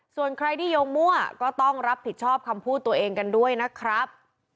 ส่วนใครที่โยงมั่วก็ต้องรับผิดชอบคำพูดตัวเองกันด้วยนะครับ